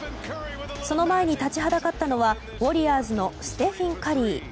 その前に立ちはだかったのはウォリアーズのステフィン・カリー。